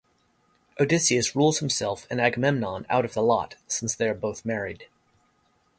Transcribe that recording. Odysseus rules himself and Agamemnon out of the lot, since they are both married.